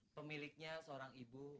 pemiliknya seorang ibu